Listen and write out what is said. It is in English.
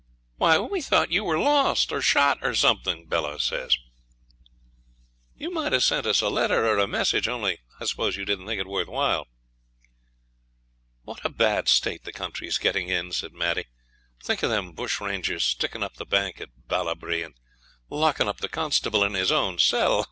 'Why, we thought you were lost, or shot, or something,' Bella says. 'You might have sent us a letter, or a message, only I suppose you didn't think it worth while.' 'What a bad state the country's getting in,' says Maddie. 'Think of them bush rangers sticking up the bank at Ballabri, and locking up the constable in his own cell.